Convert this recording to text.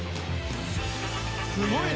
すごいね。